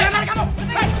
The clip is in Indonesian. jangan lari kamu berhenti